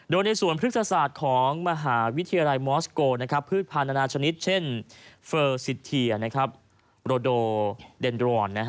โดยในส่วนพฤกษศาสตร์ของมหาวิทยาลัยมอสโกพืชพันธนานาชนิดเช่นเฟอร์สิทเทียโรโดเดนโดรอน